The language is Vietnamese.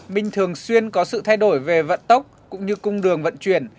bình thường xuyên có sự thay đổi về vận tốc cũng như cung đường vận chuyển